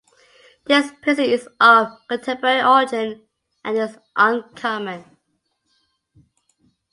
This piercing is of contemporary origin and is uncommon.